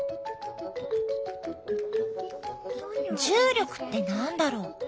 重力って何だろう？